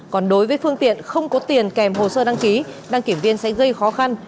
còn đối với phương tiện không có tiền kèm hồ sơ đăng ký đăng kiểm viên sẽ gây khó khăn